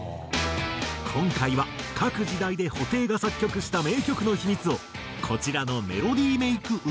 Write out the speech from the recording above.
今回は各時代で布袋が作曲した名曲の秘密をこちらのメロディーメイク